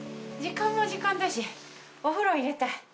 時間も時間だしお風呂入れたい。